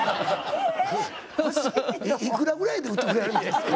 いくらぐらいで売ってくれるんですか？